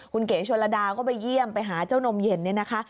คุณเก๋ชนระดาก็ไปเยี่ยมไปหาเจ้านมเย็นเนี่ยนะคะ